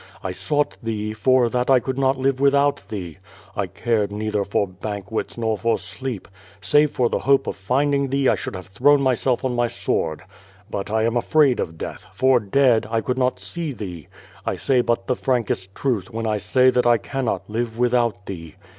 I sought thee, for that I could not live without thee. I cared neither for banquets nor for sleep. Save for the hope of finding thee I should have thrown myself on my sword. But I am afraid of death, for, dead, I could not see thee. I say but the frankest truth wheai I say that I cannot live without thee.